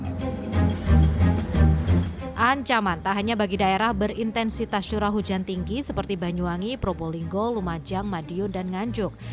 ancaman tak hanya bagi daerah berintensitas curah hujan tinggi seperti banyuwangi probolinggo lumajang madiun dan nganjuk